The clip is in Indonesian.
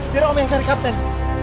biar om yang cari kapten